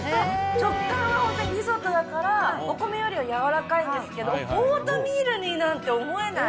食感は本当にリゾットだから、お米よりは柔らかいんですけど、オートミールになんて思えない。